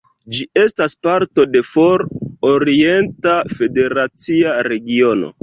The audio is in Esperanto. Ĝi estas parto de For-orienta federacia regiono.